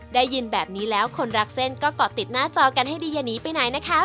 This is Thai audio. ได้ยินแบบนี้แล้วคนรักเส้นก็เกาะติดหน้าจอกันให้ดีอย่าหนีไปไหนนะคะ